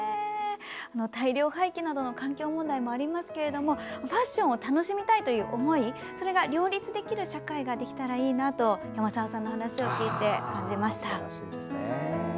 大量廃棄などの環境問題などもありますがファッションを楽しみたいという思いそれが両立できる社会ができたらいいなと山澤さんの話を聞いて感じました。